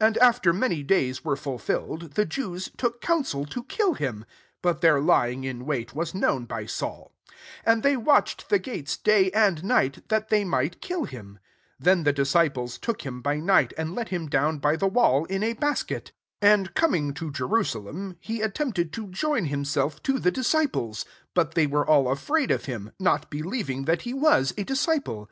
23 And after many days were Lilfilled, the Jews took counsel o kill him : 24 (but their lying Q wait was known by Saul :) od they watched the gates day nd night, that they might kill dm. 25 Then the disciples took dm by night, and let Aim down J the wall, in a basket. 26 And oming to Jerusalem, he at tempted to join himself to the disciples: but they were all afraid of him, not believing that he was a disciple.